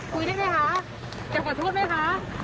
คุยได้ไหมคะอยากขอโทษไหมคะ